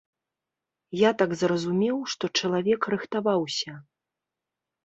Я так зразумеў, што чалавек рыхтаваўся.